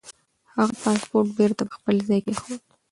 هغه پاسپورت بېرته پر خپل ځای کېښود.